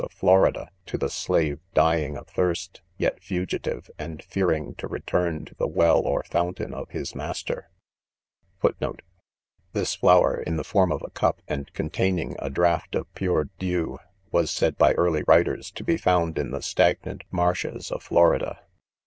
of Florida, to the slave dying of thirst, yet fugitive, and fearing to return to the well or. fountain of hijs master.* 4 The night of the ball arrived, ami the cold * This flower, in the form of a cup, and containing a imft of piire dew, Was said, 4>y early' wifteis, to be found la tte stagnant marshes of Florida.